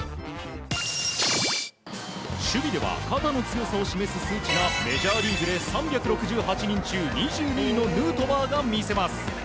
守備では肩の強さを示す数値がメジャーリーグで３６８人中２２位のヌートバーが見せます。